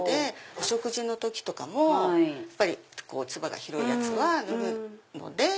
お食事の時とかもつばが広いやつは脱ぐので。